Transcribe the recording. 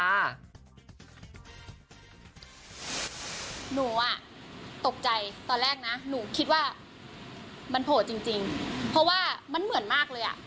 หนูอ่ะตกใจตอนแรกนะหนูคิดว่ามันโผล่จริงเพราะว่ามันเหมือนมากเลยอ่ะ